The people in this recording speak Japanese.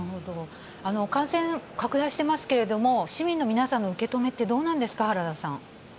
感染拡大してますけれども、市民の皆さんの受け止めってどうなんですか？